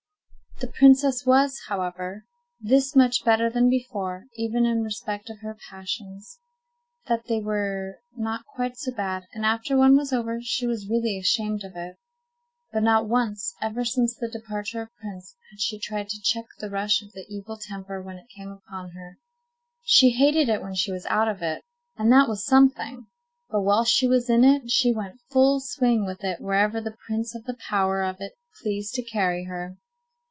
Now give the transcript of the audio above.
The princess was, however, this much better than before, even in respect of her passions, that they were not quite so bad, and after one was over, she was really ashamed of it. But not once, ever since the departure of Prince had she tried to check the rush of the evil temper when it came upon her. She hated it when she was out of it, and that was something; but while she was in it, she went full swing with it wherever the prince of the power of it pleased to carry her.